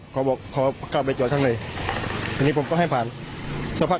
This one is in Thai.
เขาบอกขอกลับไปจอดข้างในทีนี้ผมก็ให้ผ่านสักพัก